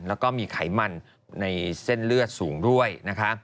แล้วก็มีไขมันในเส้นเลือดสูงด้วยนะคะ